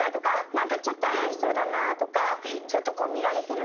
何かちょっと怪しそうだなとかちょっと見られてるな。